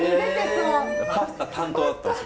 パスタ担当だったんです